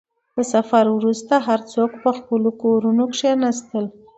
• د سفر وروسته، هر څوک په خپلو کورونو کښېناستل.